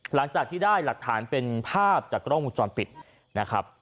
หลังจากที่ได้หลักฐานเป็นภาพจากกล้องวงจรปิดนะครับ